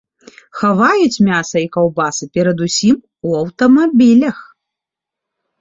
Хаваюць мяса і каўбасы, перадусім, у аўтамабілях.